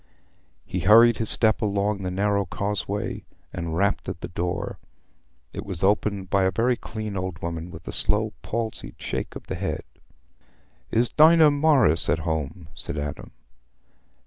He hurried his step along the narrow causeway, and rapped at the door. It was opened by a very clean old woman, with a slow palsied shake of the head. "Is Dinah Morris at home?" said Adam.